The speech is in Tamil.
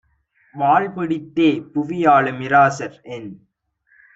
வாள்பிடித் தேபுவி ஆளுமிராசர் என்